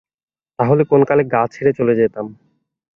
তাহলে কোনকালে গাঁ ছেড়ে চলে যেতাম।